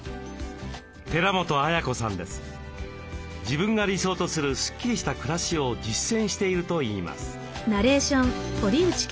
自分が理想とするスッキリした暮らしを実践しているといいます。